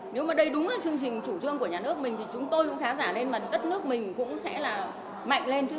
nếu mà đây đúng là chương trình chủ trương của nhà nước mình thì chúng tôi cũng khá giả nên mà đất nước mình cũng sẽ là mạnh lên chứ